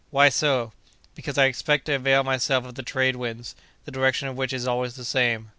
"Why so?" "Because I expect to avail myself of the trade winds, the direction of which is always the same."